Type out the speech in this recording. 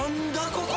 ここ。